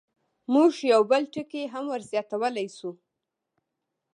موږ یو بل ټکی هم زیاتولی شو.